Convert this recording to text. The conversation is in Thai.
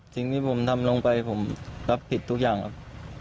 สิ่งที่ผมทำลงไปผมรับผิดทุกอย่างครับ